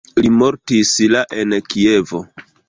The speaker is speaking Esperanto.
Li mortis la en Kievo.